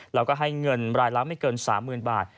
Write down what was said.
แล้วก็ให้เงินรายละไม่เกิน๓๐๐๐บาท